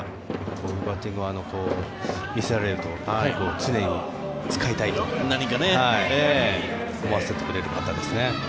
こういうバッティングを見せられると常に使いたいと思わせてくれる方ですね。